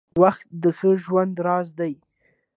• وخت د ښه ژوند راز دی.